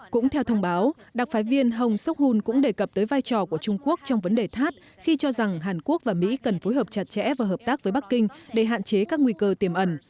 cũng theo thông báo đặc phái viên hồng seok hun cũng đề cập tới vai trò của trung quốc trong vấn đề thát khi cho rằng hàn quốc và mỹ cần phối hợp chặt chẽ và hợp tác với bắc kinh để hạn chế các nguy cơ tiềm ẩn